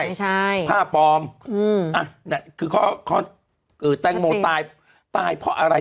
ไม่ใช่ผ้าปลอมอืมอ่ะคือข้อข้อแตงโมตายตายเพราะอะไร